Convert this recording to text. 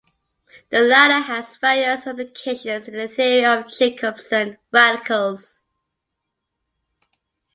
The latter has various applications in the theory of Jacobson radicals.